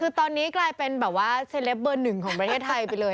คือตอนนี้กลายเป็นแบบว่าเซลปเบอร์หนึ่งของประเทศไทยไปเลย